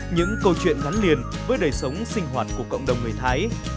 những câu chuyện gắn liền với đời sống sinh hoạt của cộng đồng người thái